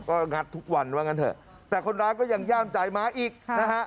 ก็งัดทุกวันว่างั้นเถอะแต่คนร้ายก็ยังย่ามใจมาอีกนะฮะ